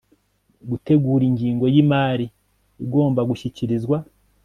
gutegura ingingo y imari igomba gushyikirizwa